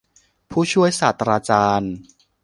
ผู้ช่วยศาสตราจารย์